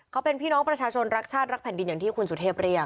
เขาเป็นพี่น้องประชาชนรักชาติรักแผ่นดินอย่างที่คุณสุเทพเรียก